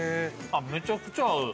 めちゃくちゃ合う。